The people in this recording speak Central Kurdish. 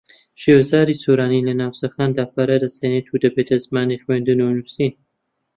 شێوەزاری سۆرانی لە ناوچەکەدا پەرە دەستێنێ و دەبێتە زمانی خوێندن و نووسین